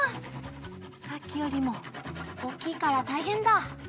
さっきよりもおっきいからたいへんだ！